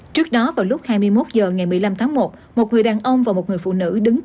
trước đó vào lúc hai mươi một h ngày một mươi năm tháng một một người đàn ông và một người phụ nữ đứng trước